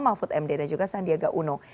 mahfud md dan juga sandiaga uno